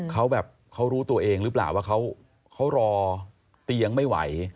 เขาแบบเขารู้ตัวเองหรือเปล่าว่าเขารอเตียงไม่ไหว